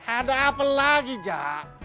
ada apa lagi jak